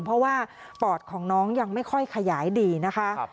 เพราะว่าปอดของน้องยังไม่ค่อยขยายดีนะคะ